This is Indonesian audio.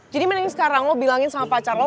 jadi mending sekarang lo bilangin sama pacar lo